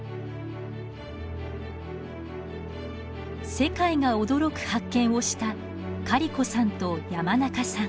世界が驚く発見をしたカリコさんと山中さん。